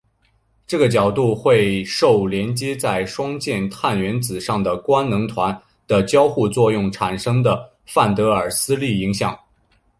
这个角度会受连接在双键碳原子上的官能团的交互作用产生的范德瓦耳斯力影响。